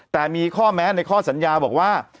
แต่มีข้อแม้ในข้อสัญญาบอกว่า